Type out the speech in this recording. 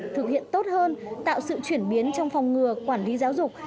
thực hiện tốt hơn tạo sự chuyển biến trong phòng ngừa quản lý giáo dục